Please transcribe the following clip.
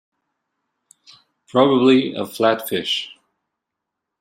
Probably a flatfish.